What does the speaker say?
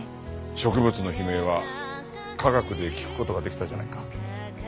植物の悲鳴は科学で聞く事ができたじゃないか。